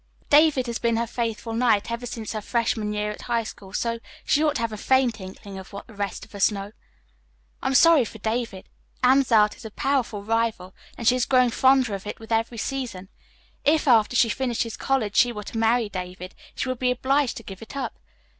David has been her faithful knight ever since her freshman year at high school, so she ought to have a faint inkling of what the rest of us know. I am sorry for David. Anne's art is a powerful rival, and she is growing fonder of it with every season. If, after she finishes college, she were to marry David, she would be obliged to give it up.